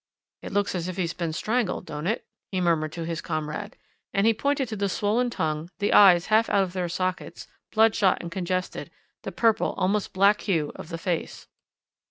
"'It looks as if he had been strangled, don't it?' he murmured to his comrade. "And he pointed to the swollen tongue, the eyes half out of their sockets, bloodshot and congested, the purple, almost black, hue of the face.